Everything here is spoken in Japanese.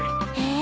え？